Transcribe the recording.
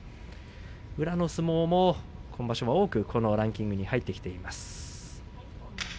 宇良の相撲も今場所は多くこのランキング入ってきています。